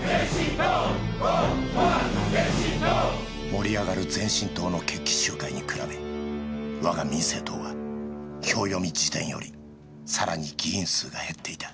盛り上がる前進党の決起集会に比べ我が民政党は票読み時点よりさらに議員数が減っていた